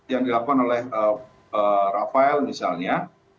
yang dilakukan oleh rafael misalnya